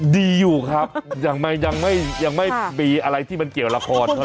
ดีอยู่ครับยังไม่มีอะไรที่มันเกี่ยวละครเท่าไ